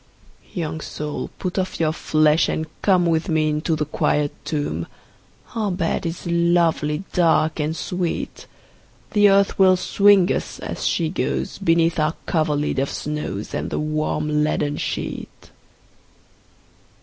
II. Young soul put off your flesh, and come With me into the quiet tomb, Our bed is lovely, dark, and sweet; The earth will swing us, as she goes, Beneath our coverlid of snows, And the warm leaden sheet.